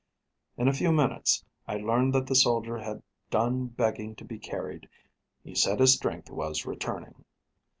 In a few minutes, I learned that the soldier had done begging to be carried; he said his strength was returning.